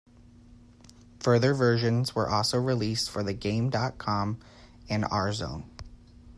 Further versions were also released for the Game dot com and R-Zone.